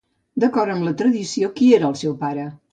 D'acord amb la tradició, qui era el seu pare?